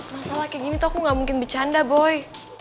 masalah kayak gini tuh aku gak mungkin bercanda boy